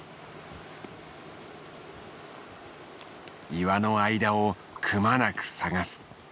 岩の間をくまなく探す。